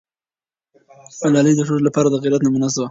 ملالۍ د ښځو لپاره د غیرت نمونه سوه.